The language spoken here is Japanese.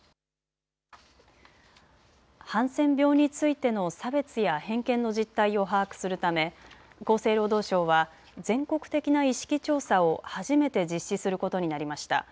ハンセン病についての差別や偏見の実態を把握するため厚生労働省は全国的な意識調査を初めて実施することになりました。